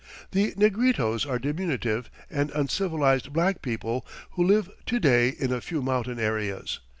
The Negritos are diminutive and uncivilized black people who live to day in a few mountain areas.